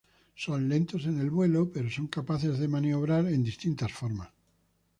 Son lentos en el vuelo, pero son capaces de maniobrar en distintas formas.